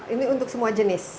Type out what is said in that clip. ini untuk semua jenis